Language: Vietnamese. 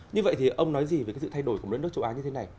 như vậy thì ông nói gì về cái sự thay đổi của một đất nước châu á như thế này